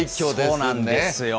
そうなんですよ。